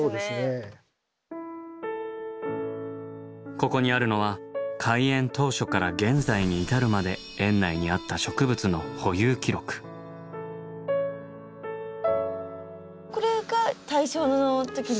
ここにあるのは開園当初から現在に至るまで園内にあったこれが大正の時の？